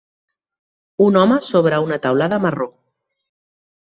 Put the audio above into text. Un home sobre una teulada marró.